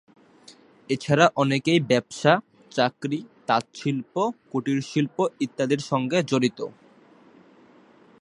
এছাড়া অনেকেই ব্যবসা, চাকরি, তাঁত শিল্প, কুটির শিল্প ইত্যাদির সাথে জড়িত।